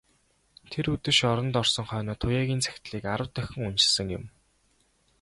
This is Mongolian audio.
Тэр үдэш оронд орсон хойноо Туяагийн захидлыг арав дахин уншсан юм.